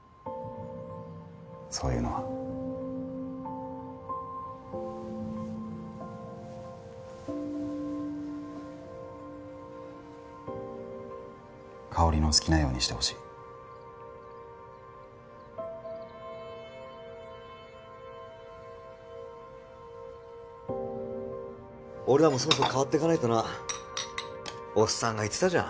そういうのは香織の好きなようにしてほしい俺らもそろそろ変わってかないとなおっさんが言ってたじゃん